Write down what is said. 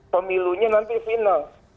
pemilunya nanti final